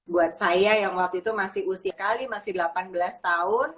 buat saya yang waktu itu masih usia kali masih delapan belas tahun